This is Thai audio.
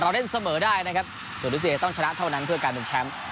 เราเล่นเสมอได้นะครับส่วนลิเกย์ต้องชนะเท่านั้นเพื่อการเป็นแชมป์